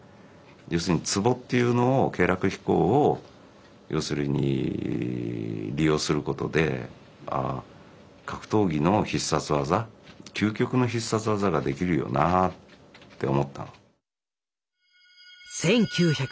要するにツボっていうのを経絡秘孔を利用することで格闘技の必殺技究極の必殺技ができるよなって思ったの。